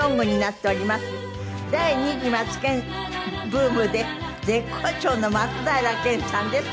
第２次マツケンブームで絶好調の松平健さんです。